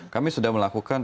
kami sudah melakukan